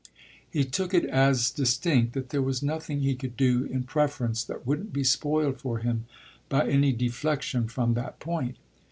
He took it as distinct that there was nothing he could do in preference that wouldn't be spoiled for him by any deflexion from that point.